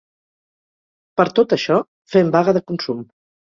Per tot això: fem vaga de consum.